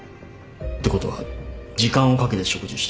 ってことは時間をかけて食事した。